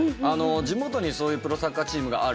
地元にそういうプロサッカーチームがある。